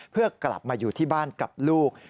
เพื่อกลับมาอยู่ที่บ้านกับลูก